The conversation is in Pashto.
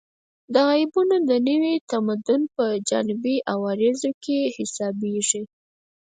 دا عیبونه د نوي تمدن په جانبي عوارضو کې حسابېږي